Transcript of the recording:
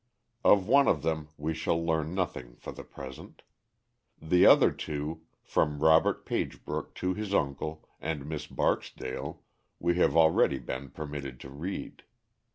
Of one of them we shall learn nothing for the present. The other two, from Robert Pagebrook to his uncle and Miss Barksdale, we have already been permitted to read.